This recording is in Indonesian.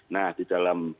nah di dalam lambung